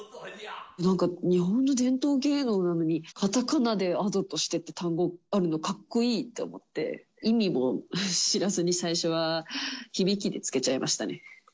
なんか日本の伝統芸能なのに、かたかなの単語でアドってあるのかっこいいと思って、意味も知らずに、最初は響きで付けちゃいましたね。